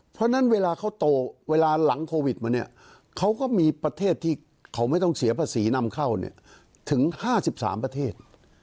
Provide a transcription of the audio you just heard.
เพราะฉะนั้นเวลาเขาโตเวลาหลังโควิดมาเนี่ยเขาก็มีประเทศที่เขาไม่ต้องเสียภาษีนำเข้าถึง๕๓ประเทศ